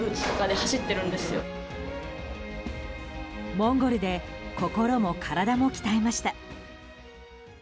モンゴルで心も体も鍛えました。